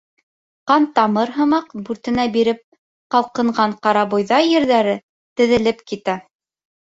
Ҡантамыр һымаҡ бүртенә биреп ҡалҡынған ҡарабойҙай ерҙәре теҙелеп китә.